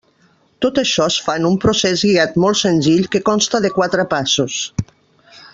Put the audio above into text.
Tot això es fa en un procés guiat molt senzill que consta de quatre passos.